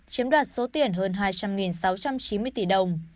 chiếm đoạt số tiền hơn hai trăm linh sáu trăm chín mươi tỷ đồng